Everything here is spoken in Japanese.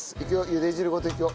茹で汁ごといくよ。